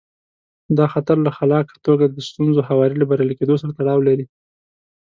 دا خطر له خلاقه توګه د ستونزو هواري له بریالي کېدو سره تړاو لري.